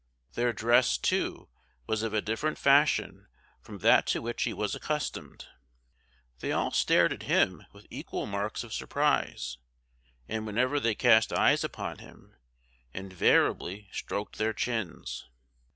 Their dress, too, was of a different fashion from that to which he was accustomed. They all stared at him with equal marks of surprise, and whenever they cast eyes upon him, invariably stroked their chins.